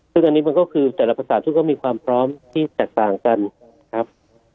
ซึ่งอันนี้มันก็คือแต่ละภาษาซึ่งก็มีความพร้อมที่แตกต่างกันครับ